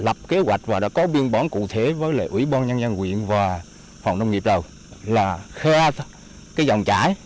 lập kế hoạch và đã có biên bóng cụ thể với ủy ban nhân dân quyền và phòng nông nghiệp đầu là khe dòng trải